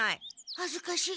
はずかしい。